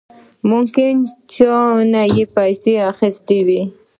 ممکن د چانه يې پيسې اخېستې وي.